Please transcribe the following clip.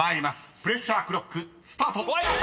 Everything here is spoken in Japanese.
プレッシャークロックスタート！］